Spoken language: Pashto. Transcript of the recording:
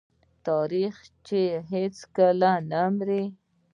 تاریخ چې هیڅکله نه مري.